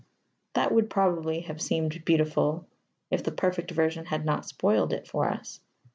That would probably have seemed beautiful if the perfect version had not spoiled it for us.